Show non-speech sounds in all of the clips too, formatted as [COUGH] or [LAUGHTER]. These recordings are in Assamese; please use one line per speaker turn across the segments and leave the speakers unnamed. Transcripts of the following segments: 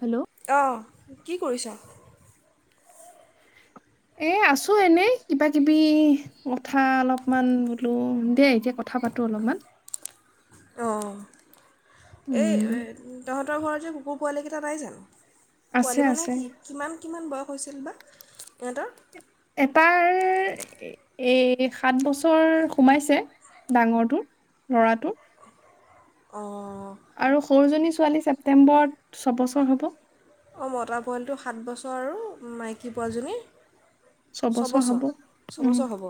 হেল্ল'
অ কি কৰিছা?
এ আছো এনেই কিবা কিবি কথা অলপমান বোলো দেই, এতিয়া কথা পাতো অলপমান।
অ' এই এ
উম
তহঁত- তহঁতৰ ঘৰৰ যে কুকুৰ পোৱালিকেইটা নাই জানো?
আছে
পোৱালি মানে
আছে
কি কিমান কিমান বয়স হৈছিল বা? এটা-
এটাৰ এই সাত বছৰ সোমাইছে ডাঙৰটোৰ ল'ৰাটোৰ।
অ'
আৰু সৰু জনী- ছোৱালী ছেপ্তেম্বৰত ছবছৰ হ'ব।
অঁ মতা পোৱালিটো সাত বছৰ আৰু মাইকী পোৱালিজনী- ছবছৰ,
উম
ছবছৰ হ'ব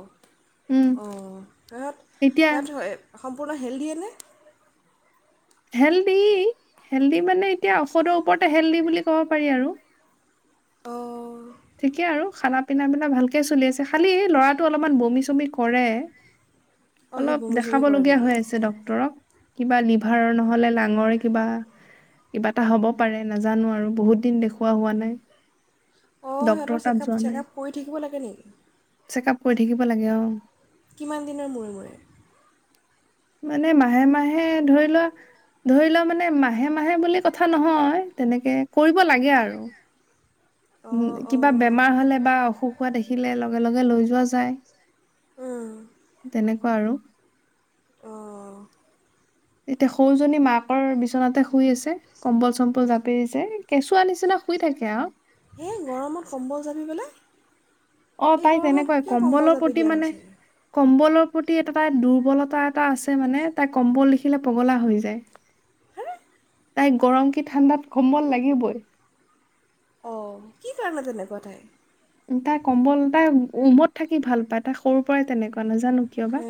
উম
অঁ সিহঁত
এতিয়া
সিহঁত - সম্পূৰ্ণ হেল্ডিয়ে নে?
হেল্ডি, হেল্ডি মানে এতিয়া ঔষধৰ ওপৰতে হেল্ডি বুলি ক'ব পাৰি আৰু।
অ'
ঠিকে আৰু খানা পিনা, পিনা ভালকে চলি আছে খালি ল'ৰাটো অলপমান বমি-চমি কৰে।
অ' সি
অলপ
বমি চমি
দেখাব
কৰে
লগীয়া
নেকি?
হৈ আছে ডক্তৰক। কিবা লিভাৰৰ নহ'লে লাঙৰ কিবা কিবা এটা হ'ব পাৰে নাজানো আৰু বহুত দিন দেখুওৱা হোৱা নাই।
অঁ
ডক্তৰৰ
সিহঁতৰ
তাত
চেকআপ,
যোৱা নাই
চেকআপ কৰি থাকিব লাগে নেকি
চেক আপ কৰি থাকিব লাগে অ
কিমান দিনৰ মূৰে মূৰে?
মানে মাহে মাহে ধৰি লোৱা ধৰি লোৱা মানে মাহে মাহে বুলি কথা নহয় তেনেকে কৰিব লাগে আৰু। উম্ কিবা বেমাৰ হলে বা অসুখ হোৱা দেখি- দেখিলে লগে লগে লৈ যোৱা যায় তেনেকুৱা আৰু।
অ'
এতিয়া সৰুজনী মাকৰ বিচনাতে শুই আছে, কম্বল-চম্বল জাপি দিছে কেঁচুৱা নিচিনা শুই থাকে আৰু।
এই গৰমত কম্বল জাপি পেলে!
অ তাই তেনেকুৱাই
কম্বল
কম্বলৰ
জাপি
প্ৰতি
দিয়া
মানে
হৈছে
কম্বলৰ- প্ৰতি এটা তাই দুৰ্বলতা এটা আছে মানে তাই কম্বল দেখিলে পগলা হৈ যায়। তাই গৰম কি ঠাণ্ডাত কম্বল লাগিবই।
অ' কি কাৰণে তেনেকুৱা তাই?
উম্ তাই কম্বল তাই উমত থাকি ভাল পায় তাই সৰু পৰাই তেনেকুৱা নাজা-
হে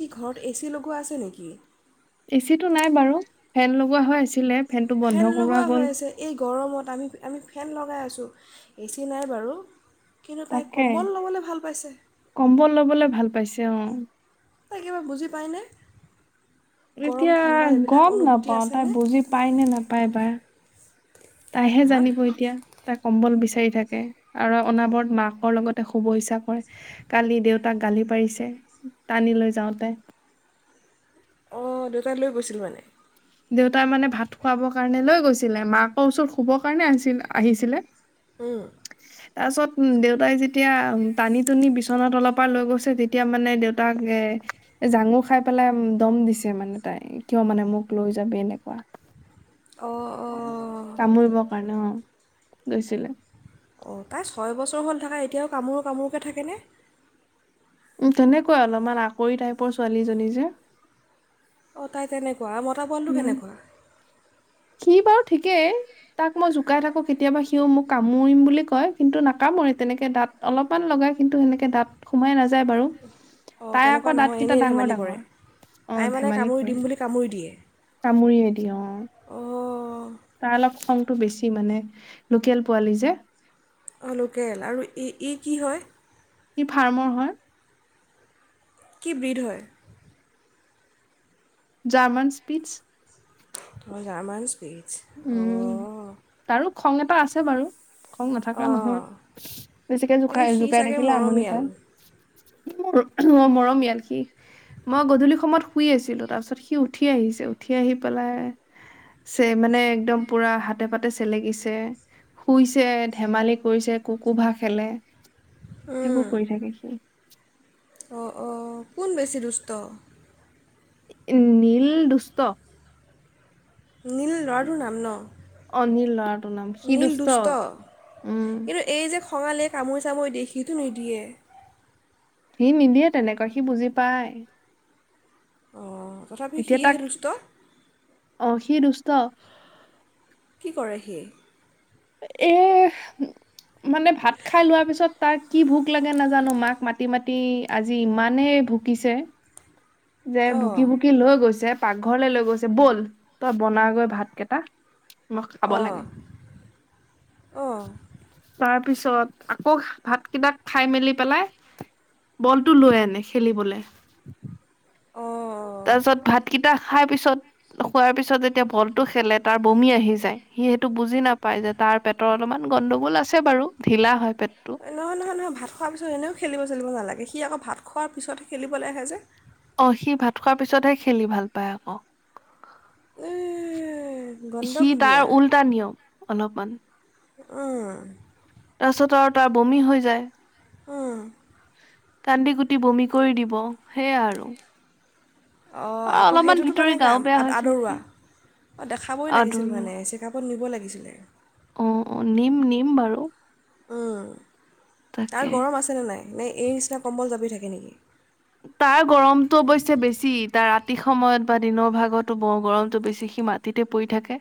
কি ঘৰত এ চি লগোৱা আছে- নেকি?
বেচিটো নাই বাৰু ফেন লগোৱা হৈ আছিলে। ফেনটো বন্ধ
ফেন
কৰোৱা
লগোৱা হৈ
গ'ল
আছে, এই গৰমত আমি আমি ফেন লগাই আছোঁ। এ চি নাই বাৰু কিন্তু তাই
তাকে
কম্বল ল'বলৈ ভাল পাইছে।
কম্বল ল'বলে ভাল পাইছে অ
তাই কিবা বুজি পায়নে? গৰম
এতিয়া
ঠাণ্ডা এইবিলাক
গম
অনুভূতি
নাপাওঁ তাই
আছেনে
বুজি পায় নে নাপায় বা তাইহে
হা
জানিব এতিয়া, তাই কম্বল বিচাৰি বিচাৰি থাকে আৰু অনাবৰত মাকৰ লগতে শুব ইচ্ছা কৰে। কালি দেউতাক গালি পাৰিছে, টানি লৈ যাওঁতে।
অঁ দেউতাই লৈ গৈছিল মানে।
দেউতাই মানে ভাত খুৱাব কাৰণে লৈ গৈছিলে। মাকৰ ওচৰত শুবৰ কাৰণে আছিল আহিছিলে।
উম
তাৰ পিছত দেউতাই যেতিয়া টানি-টুানি বিচনাৰ তলৰ পৰা লৈ গৈছে তেতিয়া মানে দেউতাক-এ জাঙুৰ খাই পেলাই দম দিছে মানে তাই কিয় মানে মোক লৈ যাবি এনেকুৱা
অঁ অঁ
কামুৰিব--কামুৰিবৰ কাৰণে অ। গৈছিলে।
অঁ তাই ছয় বছৰ হ'ল থকা এতিয়াও কামোৰো কামোৰোকে থাকে নে?
উম তেনেকুৱা অলপমান আকৰি টাইপৰ ছোৱালীজনী যে,
অ তাই তেনে খোৱা মতা বলটো
উম
কেনেকুৱা?
সি বাৰু ঠিকেই, তাক মই জোকাই থাকো কেতিয়াবা সিও মোক কামুৰিম বুলি কয়, কিন্তু নাকামোৰে তেনেকে দাঁত অলপমান লগায় কিন্তু সেনেকে দাঁত সোমাই নাযায় বাৰু
অঁ
তাই
তেনেকুৱা
আকৌ
নহয়
দাঁতকেইটা
এনেই
ডাঙৰ
ধেমালি কৰে।
ডাঙৰ
তাই মানে কামুৰি দিম বুলি কামুৰি দিয়ে।
কামোৰি নিদিয়ে অ।
অঁ
তাৰ লক্ষণ বেছি মানে লোকেল পোৱালি যে,
অ লোকেল আৰু ই কি হয়?
কি ফাৰ্মৰ হয়?
কি বৃধ হয়?
German Spitz.
অ জাৰ্মানছ ভি
উম! তাৰো খং এটা আছে বাৰু। খং নথকা
অঁ
নহয়। বেছিকে
কিন্তু
জোকাই
সি
জোকাই
চাগে
থাকিলে আমনি
মৰমীয়াল
পায়। মৰমীয়াল সি। মই গধূলি সময়ত শুই আছিলোঁ তাৰপিছত সি উঠি আহিছে উঠি আহি পেলাই, চেপ মানে একদম পুৰা হাতে-পাতে চেলেকিছে শুইছে ধেমালি কৰিছে কুকু ভা খেলে।
উম,
সেইবোৰ কৰি থাকে সি।
অঁ অঁ কোন বেছি দুষ্ট?
এ, নীল দুষ্ট।
নীল ল'ৰাটোৰ নাম ন?
টো নাম, সি দুষ্ট। উম।
কিন্তু এই যে খঙালে কামুৰি চামুৰি দেখিটো নিদিয়ে।
সি নিদিয়ে তেনেকৈ, সি বুজি পায়।
অ'। তথাপি
এতিয়া
সি হে
তাক
দুষ্ট?
অ সি দুস্থ।
কি কৰে সি?
এ। মানে, ভাত খাই লোৱাৰ পিছত তাক কি ভোক লাগে নাজানো, মাক মাতি, মাতি, আজি ইমানেই ভুকিছে। যে ভুকি,
অঁ
ভুকি লৈ গৈছে। পাকঘৰলে লৈ গৈছে। ব'ল। তই বনাগৈ ভাতকেইটা, মই খাব
অঁ
লাগে।
অঁ
তাৰ পিছত, আকৌ ভাতকিটা খাই মেলি পেলাই, বলটো লৈ আনে খেলিবলে।
অ'।
তাৰ পিছত ভাতকেইটা খাই পিছত খোৱাৰ পিছত যেতিয়া বলটো খেলে তাৰ বমি আহি যায় সি সেইটো বুজি নাপায় যে তাৰ পেটৰ অলপমান গণ্ডগোল আছে বাৰু ঢিলা হয়। পেটটো
নহয়, নহয়, নহয়, ভাত খোৱা পিছত এনেও খেলিব চেলিব নালাগে। সি আকৌ ভাত খোৱাৰ পিছতহে খেলিবলৈ আহে যে?
অ', সি ভাত খোৱাৰ পিছতহে খেলি ভাল পায় আকৌ।
এই
সি, তাৰ
গণ্ডগোলীয়া
উল্টা নিয়ম। অলপমান
অহ।
তাৰপিছত আৰু তাৰ বমি হৈ যায়।
অ'।
কান্দি-কুটি বমি কৰি দিব, সেয়া আৰু।
অ', আকৌ
অলপমান
সেইটোতো মানে
ভিতৰি
কা,
গাও বেয়া হৈছে
আদৰুৱা।
নেকি
অ', দেখাবই লাগিছিল
আদৰো
মানে, চেকআপত নিব লাগি নিছিলে।
অ', অ', নিম, নিম বাৰু।
উম। তাৰ
তাকে
গৰম আছেনে নাই? নে এই
তাৰ গৰমতটো অৱশ্যে বেছি। তাৰ ৰাতি সময়ত বা দিনৰ ভাগতো ব, গৰমতটো বেছি, সি মাটিতে পৰি থাকে।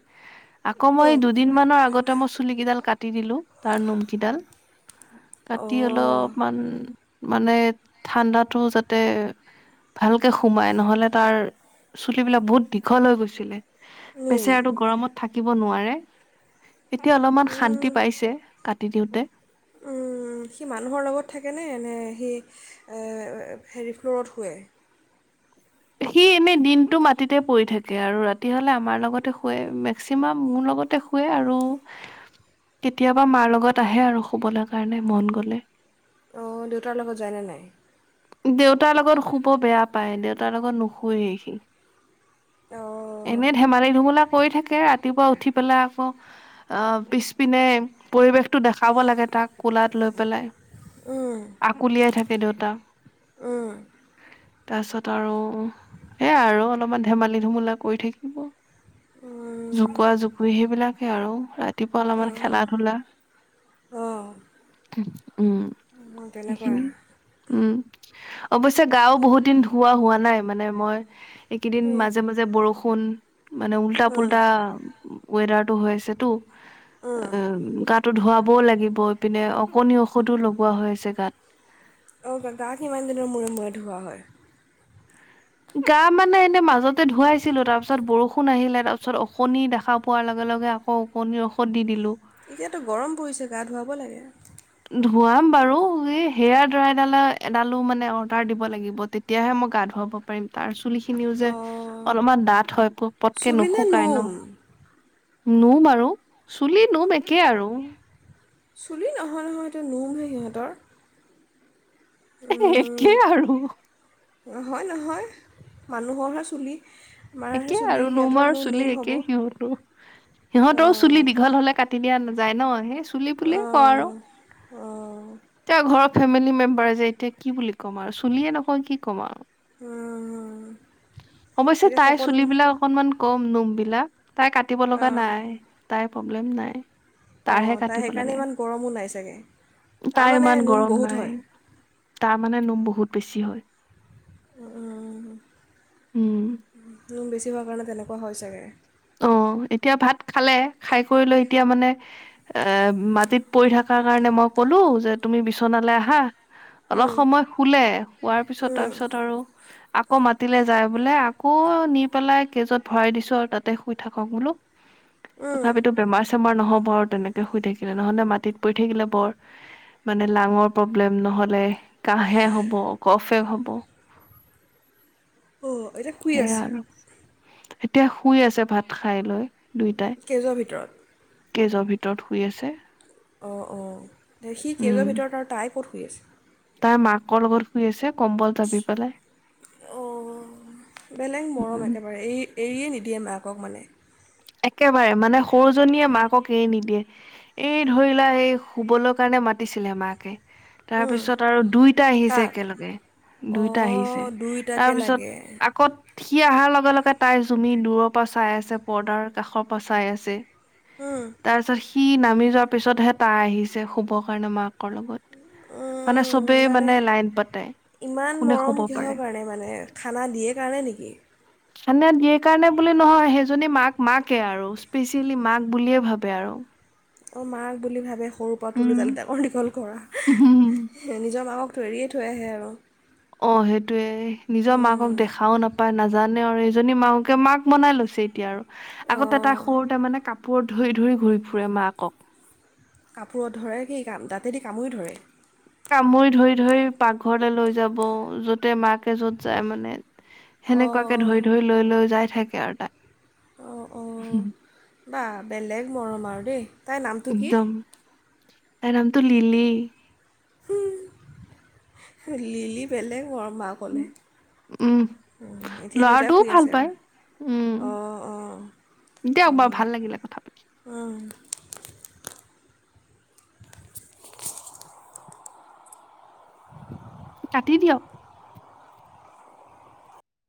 আকৌ মই,
উম
দুদিনমানৰ আগতে মই চুলিকিডাল কাট টি দিলো, তাৰ নোমকিডাল। কাটি
অঁ
অলপমান মানে ঠাণ্ডাতো যাতে তে ভালকে সোমাই নহলে তাৰ চুলিবিলাক বহুত দীঘল হৈ গৈছিলে।
উম
বেচেৰা তো গৰমত থাকিব। নোৱাৰে এতিয়া অলপমান শান্তি
উম
পাইছে ক দিওঁতে।
উম সি মানুহৰ লগত থাকেনে নে সি হেৰি ফ্ল'ৰত শুৱে?
সি এনেই দিনটো মাটিতে পৰি থাকে আৰু, ৰাতি হলে আমাৰ লগতে শুৱে, মেক্সিমাম মোৰ লগতে শুৱে আৰু কেতিয়াবা মাৰ লগত আহে আৰু শুবলৈ কাৰণে মন গলে।
অঁ দেউতাৰ লগত যায়নে নাই?
দেউতাৰ লগত শুব বেয়া পায় দেউতাৰ লগত নোশুৱেই সি।
অঁ
এনে ধেমালি ধুমলা কৰি থাকে। এনেকে ৰাতিপুৱা উঠি পেলাই আকৌ অ পিছপিনে পৰিৱেশটো দেখাব লাগে তাক, কোলাত লৈ পেলাই।
উম,
আকুলিয়াই থাকে। সেই দুটা
উম
তাৰপিছত আৰু এ আৰু অলপমান ধেমালি ধুমলা কৰি থাকিব।
উম,
জোকুৱা জোকুৱি সেইবিলাক সেয়াই আৰু ৰাতিপুৱা অলপমান
অঁ
খেলা ধূলা,
অঁ
উম
তেনেকুৱা
সেইখিনি উম। অৱশ্যে গাও বহুত দিন ধুওৱা হোৱা নাই মানে মই এইকেইদিন মাজে মাজে বৰষুণ কুল মানে উল্টা
উম,
পুল্টা ৱেডাৰট টো হৈ আছে তো
উম,
অ গাটো ধোৱা বও লাগিব পিনে অকনি ঔষধো লগোৱা হৈ আছে গাত।
অঁ গাত ইমান দিনৰ মূৰে মূৰত ধুওা হয়?
গা মানে এনে মাজতে ধুৱাইছিলো, তাৰ পিছত বৰষুণ আহিলে তাৰ পিছত ওকণি দেখা পোৱাৰ লগে লগে আকৌ অকণিৰ ঔষধ দি দিলো।
এতিয়াতো গৰম পৰিছে গা ধুৱাব লাগে।
ধোৱাম বাৰু এই হেয়াৰ ড্ৰাই এডাল এডালো মানে অৰ্ডাৰ দিব লাগিব তেতিয়াহে মই গা ধুৱাব পাৰিম তাৰিছত চুলি খিনিও যে
অঁ
অলপমান ডাঠ হয় পটকে
চুলি নে
নুসুকাই
নোম
ন। নোম আৰু চুলি নোম একে আৰু।
চুলি নহয় নহয় এইটো নোম নাই সিহঁতৰ।
একেই আৰু।
হয় নহয় মানুহৰহে চুলি আমাৰহে
একে
চুলি
আৰু
সিহঁতৰ
নৌমাৰ
নো নোম
চুলি
হ'ব
একে সিহঁতো, সিহঁতৰো চুলি
অঁ
দীঘল হলে কাটি দিয়া না যায় ন, সে চুলি বুলি কওঁ আৰু,
অঁ অঁ
এতিয়া ঘৰ ফেমিলি মেম্বাৰ যে এতিয়া কি বুলি ক'ম আৰু চুলিয়ে নকয় কি ক'ম আৰু
হম হম,
অৱশ্যে তাইৰ
এ
চুলিবিলাক অকণমান কম নুম বিলাক তাই কাটিব লগা নাই, তাই প্ৰব্লেম নাই
অহ,
তাৰহে
তাইৰ
কাটিব
সেইকাৰণে
লাগে
ইমান গৰমো নাই চাগে,
তাই
তাৰমানে
ইমান
নোম
গৰম
বহুত
নাই
হয়।
তাৰ মানে নোম বহুত বেছি হয়
অহ নোম বেছি হোৱাৰ
উম
কাৰণে তেনেকুৱা হয় চাগে।
অ, এতিয়া ভাত খালে, খাই কৰি লৈ এতিয়া মানে, এহ মাটিত পৰি থকাৰ কাৰণে মই কলো যে তুমি বিচনালৈ আহা অলপ
অঁ
সময় শুলে, শোৱাৰ পিছত তাৰপিছত আৰু আকৌ মাতিলে যায় বোলে আকৌ নি পেলাই কেজত ভৰাই দিছো আৰু তাতে শুই থাকক বোলো তথাপিতো বেমাৰ চেমাৰ নহ'ব বৰ তেনেকে শুই থাকিলে নহলে মাটিত পৰি থাকিলে বৰ, মানে লাঙৰ প্ৰব্লেম নহলে, কাহে হব, কফে হ'ব
অহ এতিয়া শুই
সেয়া
আছে
আৰু এতিয়া শুই আছে ভাত খাই লৈ দুইটাই
কেজৰ ভিতৰত
কেজৰ ভিতৰত শুই আছে
অহ অহ, দে সি কেজৰ ভিতৰত আৰু তাই ক'ত [UNINTELLIGIBLE] আছে
তাৰ মাকৰ লগত শুই আছে কম্বল জাপি পেলাই
অহ, বেলেগ মৰম
উম
একেবাৰে, এৰি এৰিয়ে নিদি দিয়ে মাকক মানে
একেবাৰে মানে সৰুজনীয়ে মাকক এৰি নিদিয়ে, এই ধৰিলা সেই শুবলৈ কাৰণে মাতিছিলে মাকে
উম,
তাৰপিছত আৰু দুইটা আহিছে
কাক
একেলগে, দুইটা আহিছে,
অঁ দুইটাকে
তাৰপিছত
লাগে
আ [UNINTELLIGIBLE] সি অহাৰ লগে লগে তাই জুমি দূৰৰ পৰা চাই আছে। পৰ্দাৰ কাষৰ পৰা চাই আছে
উম,
তাৰপিছত সি নামি যোৱাৰ পিছতহে তাই আহিছে শুবৰ কাৰণে মাকৰ লগত মানে চবেই
মানে
লাইন পাতে
ইমান
কোনে শুব
মৰম
পাৰে
কিহৰ কাৰণে মানে খানা দিয়ে কাৰণে নেকি
সানে দিয়ে কাৰণে বুলি নহয় সেইজনী মাক মাকে আৰু স্পেচিয়েলি মাক বুলিয়ে ভাবে আৰু।
অ মাক বুলি ভাবে সৰুৰ পৰা তুলি-তালি ডাঙৰ দীঘল কৰা,
উম
নিজৰ মাকক এৰিয়ে থৈ আহে আৰু। অ'।
অ', সেইটোয়ে নিজৰ মাকক
উম,
দেখাও নাপায় নাজ নাজানে আৰু এইজনী মাহকে মাক বনাই লৈছে এতিয়া আৰু। আগতে
অঁ
তাই সৰুতে মানে কাপ ওপৰত ধৰি ধৰি ঘূৰি ফুৰে মাকক।
কাপোৰত ধৰে কি কাম, দাঁতেদি কামুৰী ধৰে।
কামুৰি ধৰি-ধৰি পাকঘৰলে লৈ যাব, যতে মাকে যত যায় মানে। সেনেকুৱাকে ধৰি-ধৰি লৈ লৈ যাই থাকে। সেয়াই আৰু তাই।
অ', অ', বা বেলেগ মৰম আৰু দেই তাইৰ নামটো কি?
তাৰ নামটো লিলি।
লিলি বেলেগ [UNINTELLIGIBLE] আৰু মাক ক'লে
উম
এতিয়া দুইটাই
ল'ৰাটোও
শুই
ভাল
আছে আৰু
পায় উম দিয়ক
অ',
বাৰু ভাল লাগিলে কথা পাতি
অ', অ'।
কাটি দিয়ক।